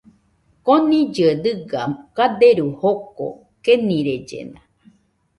Konillɨe dɨga kaderu joko, kenirellena.